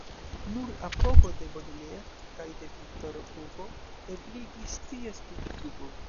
Nur apogo de Baudelaire kaj de Viktoro Hugo ebligis ties publikigon.